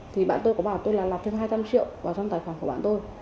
thì bạn tôi có bảo tôi là lập thêm hai trăm linh triệu vào trong tài khoản của bạn tôi